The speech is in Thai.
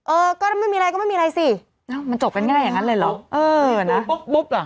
เออก็ไม่มีไรมันจบกันได้อย่างนั้นเลยหรอ